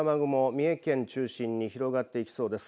三重県中心に広がっていきそうです。